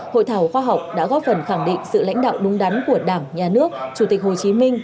hội thảo khoa học đã góp phần khẳng định sự lãnh đạo đúng đắn của đảng nhà nước chủ tịch hồ chí minh